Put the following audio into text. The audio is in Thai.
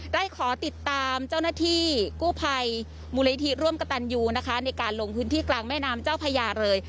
ได้ขอติดตามเจ้าหน้าที่กู้ภัยมูลนิธิร่วมกระตันยูนะคะในการลงพื้นที่กลางแม่น้ำเจ้าพญาเลย